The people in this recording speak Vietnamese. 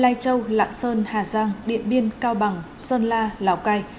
lai châu lạng sơn hà giang điện biên cao bằng sơn la lào cai